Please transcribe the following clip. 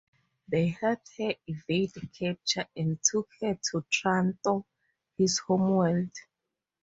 They helped her evade capture and took her to Trantor, his homeworld.